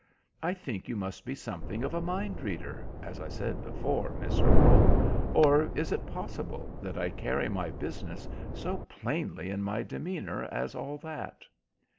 I think you must be something of a mind reader, as I said before, Miss Earle, or is it possible that I carry my business so plainly in my demeanour as all that?"